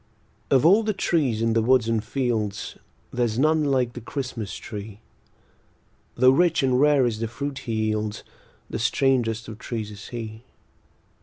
Of all the trees in the woods and fields There's none like the Christmas tree; Tho' rich and rare is the fruit he yields, The strangest of trees is he.